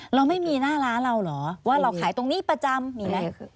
เราไม่มีหน้าร้านเราเหรอว่าเราขายตรงนี้ประจำมีไหม